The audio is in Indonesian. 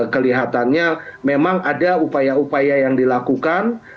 kelihatannya memang ada upaya upaya yang dilakukan